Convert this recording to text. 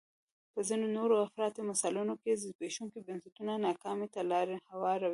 په ځینو نورو افراطي مثالونو کې زبېښونکي بنسټونه ناکامۍ ته لار هواروي.